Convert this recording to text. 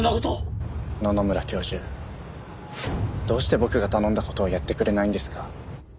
野々村教授どうして僕が頼んだ事をやってくれないんですか？